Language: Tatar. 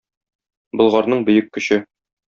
Болгарның бөек көче.